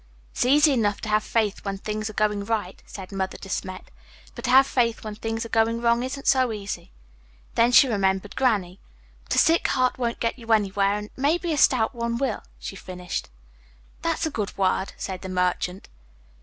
"It's easy enough to have faith when things are going right," said Mother De Smet, "but to have faith when things are going wrong isn't so easy." Then she remembered Granny. "But a sick heart won't get you anywhere, and maybe a stout one will," she finished. "That's a good word," said the merchant.